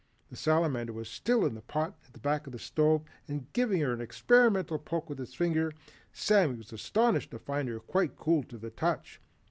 The Salamander was still in the pot on the back of the stove, and giving her an experimental poke with his finger, Samuel was astonished to find her quite cool to the touch.